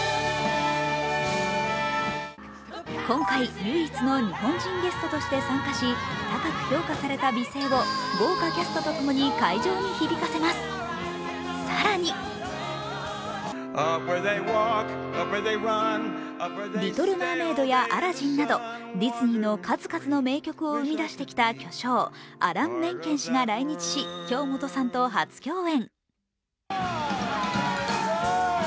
今回唯一の日本人ゲストとして参加し高く評価された美声を豪華キャストとともに会場に響かせます、更に「リトル・マーメイド」や「アラジン」などディズニーの数々の名曲を生み出してきた巨匠アラン・メンケン氏が初来日し、京本さんと初共演。